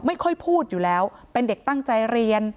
พูดอยู่แล้วเป็นเด็กตั้งใจเรียน